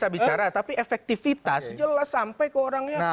bicara tapi efektifitas jelas sampai ke orangnya